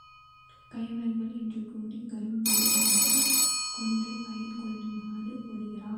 கயவர்கள் என்று கூறிக் கரும்புபோலக் கொன்று பயன் கொள்ளுமாறு கூறுகிறார்.